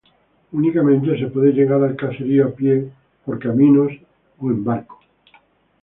Únicamente se puede llegar al caserío a pie por caminos o en barco.